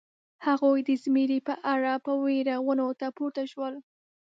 هغوی د زمري په اړه په وېره ونو ته پورته شول.